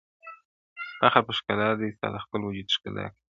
o فخر په ښکلا دي ستا د خپل وجود ښکلا کوي,